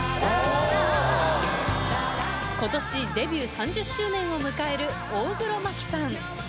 今年デビュー３０周年を迎える大黒摩季さん。